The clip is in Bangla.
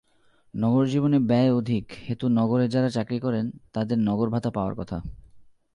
নগরজীবনে ব্যয় অধিক হেতু নগরে যাঁরা চাকরি করেন, তাঁদের নগরভাতা পাওয়ার কথা।